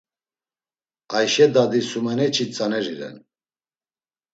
Ayşe dadi sumeneçi tzaneri ren.